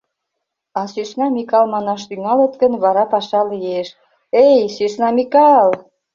А Сӧсна Микал манаш тӱҥалыт гын, вара паша лиеш: «Эй, Сӧсна Микал!»